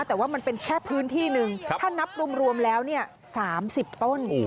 แต่ว่ามันเป็นแค่พื้นที่หนึ่งถ้านับรวมแล้ว๓๐ต้น